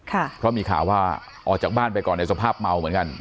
เพราะมีข่าวว่าออกจากบ้านไปก่อนในสภาพเมาเหมือนกัน